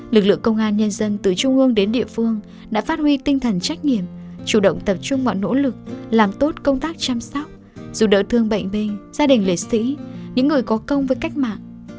lực lượng công an nhân dân từ trung ương đến địa phương đã phát huy tinh thần trách nhiệm chủ động tập trung mọi nỗ lực làm tốt công tác chăm sóc giúp đỡ thương bệnh binh gia đình liệt sĩ những người có công với cách mạng